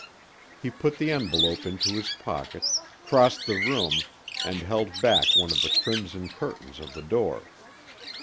He put the envelope into his pocket, crossed the room, and held back one of the crimson curtains of the door.